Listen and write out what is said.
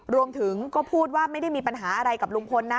รวมถึงก็พูดว่าไม่ได้มีปัญหาอะไรกับลุงพลนะ